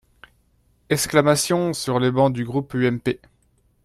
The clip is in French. Exclamations sur les bancs du groupe UMP.